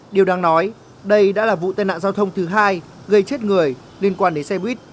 điều đáng nói đây đã là vụ tai nạn giao thông thứ hai gây chết người liên quan đến xe buýt